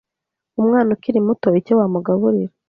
umwana ukiri muto icyo wamugaburira